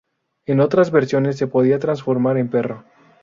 En otras versiones se podía transformar en perro.